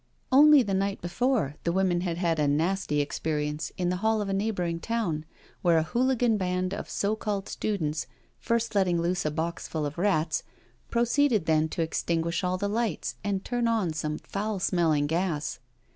Only the night before the women had had a nasty experience in the hall of a neighbouring town, where a hooligan band of so called students, first letting loose a boxful of rats, proceeded then to extinguish all the lights and turn on some foul smelling gas.